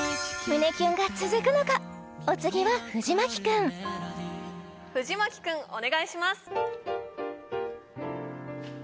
胸キュンが続くのかお次は藤牧君藤牧君お願いします失敗？